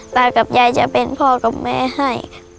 ตากับยายจะเป็นพ่อกับแม่ให้